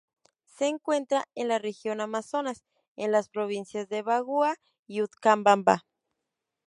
Se encuentra en la región Amazonas, en las provincias de Bagua y Utcubamba.